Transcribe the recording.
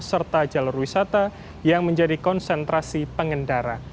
serta jalur wisata yang menjadi konsentrasi pengendara